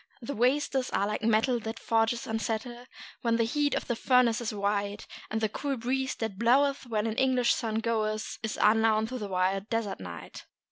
The wastes are like metal that forges unsettle When the heat of the furnace is white; And the cool breeze that bloweth when an English sun goeth, Is unknown to the wild desert night.